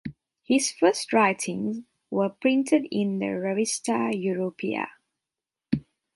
His first writings were printed in the "Revista Europea".